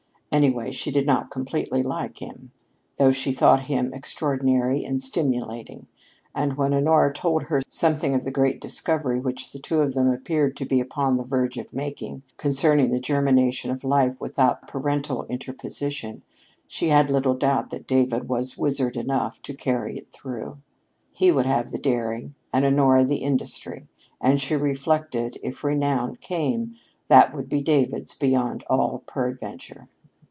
Anyway, she did not completely like him, though she thought him extraordinary and stimulating, and when Honora told her something of the great discovery which the two of them appeared to be upon the verge of making concerning the germination of life without parental interposition, she had little doubt that David was wizard enough to carry it through. He would have the daring, and Honora the industry, and she reflected if renown came, that would be David's beyond all peradventure.